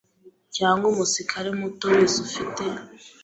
cyangwa umusirikare muto wese ufite